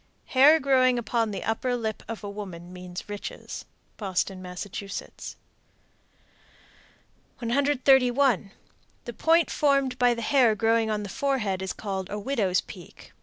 Hair growing upon the upper lip of a woman means riches. Boston, Mass. 131. The point formed by the hair growing on the forehead is called "A widow's peak."